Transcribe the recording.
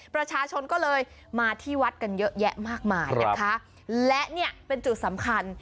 ประชาชนก็เลยมาที่วัดกันเยอะแยะมากมายนะคะและเนี่ยเป็นจุดสำคัญ